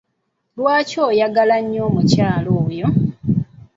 Lwaki oyagala nnyo omukyala oyo?